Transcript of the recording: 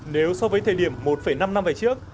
nếu so với thời điểm một năm năm về trước